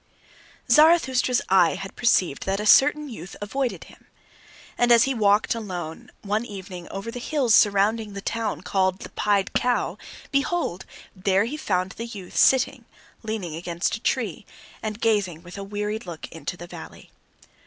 Zarathustra's eye had perceived that a certain youth avoided him. And as he walked alone one evening over the hills surrounding the town called "The Pied Cow," behold, there found he the youth sitting leaning against a tree, and gazing with wearied look into the valley.